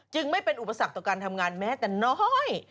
ไม่เป็นอุปสรรคต่อการทำงานแม้แต่น้อย